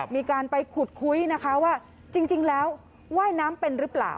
มีการไปขุดคุยนะคะว่าจริงแล้วว่ายน้ำเป็นหรือเปล่า